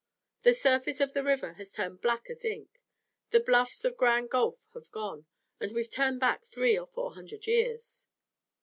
The surface of the river has turned black as ink, the bluffs of Grand Gulf have gone, and we've turned back three or four hundred years."